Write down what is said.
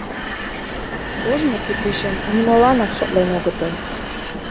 Ожно кӱтӱчым нимоланак шотлен огытыл.